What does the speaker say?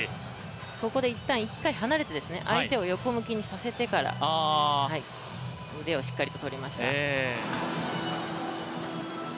ここで一旦離れて、相手を横向きにさせてから腕をしっかりと取りました。